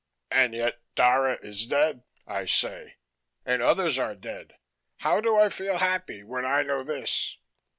"And yet Dara is dead," I say. "And others are dead. How do I feel happy when I know this?"